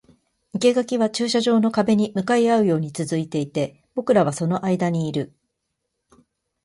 生垣は駐車場の壁に向かい合うように続いていて、僕らはその間にいる